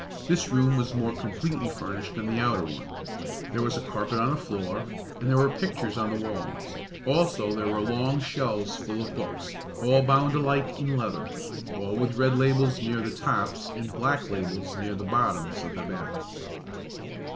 This room was more completely furnished than the outer one; there was a carpet on the floor, and there were pictures on the walls; also there were long shelves full of books, all bound alike in leather, all with red labels near the tops and black labels near the bottoms of their backs.